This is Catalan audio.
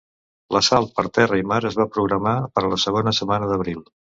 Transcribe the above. L'assalt per terra i mar es va programar per a la segona setmana d'abril.